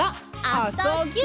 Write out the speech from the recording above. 「あ・そ・ぎゅ」